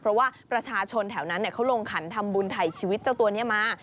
เพราะว่าประชาชนแถวนั้นเขาลงขันทำบุญถ่ายชีวิตเจ้าตัวนี้มา